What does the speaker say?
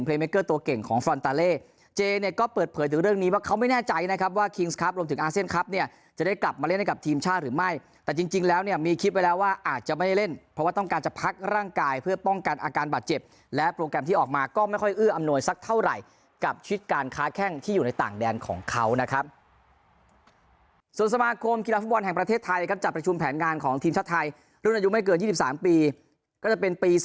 ตัวเก่งของฟรอนตาเล่เนี่ยก็เปิดเผยถึงเรื่องนี้ว่าเขาไม่แน่ใจนะครับว่าคิงส์ครับรวมถึงอาเซียนครับเนี่ยจะได้กลับมาเล่นให้กับทีมชาติหรือไม่แต่จริงจริงแล้วเนี่ยมีคลิปไว้แล้วว่าอาจจะไม่เล่นเพราะว่าต้องการจะพักร่างกายเพื่อป้องกันอาการบาดเจ็บและโปรแกรมที่ออกมาก็ไม่ค่อยอื้ออำน